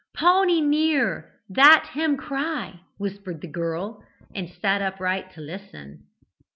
"'Pawnee near that him cry,' whispered the girl, and sat upright to listen again.